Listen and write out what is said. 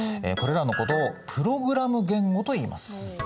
これらのことをプログラム言語といいます。